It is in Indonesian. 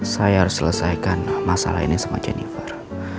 saya harus selesaikan masalah ini sama jennifer